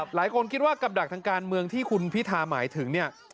หลายคนคิดว่ากับดักทางการเมืองที่คุณพิธาหมายถึงเนี่ย